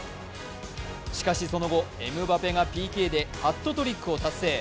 しかし、その後、エムバペがＰＫでハットトリックを達成。